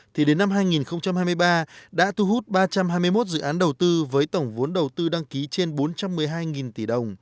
thì đến năm hai nghìn hai mươi ba đã thu hút ba trăm hai mươi một dự án đầu tư với tổng vốn đầu tư đăng ký trên bốn trăm một mươi hai tỷ đồng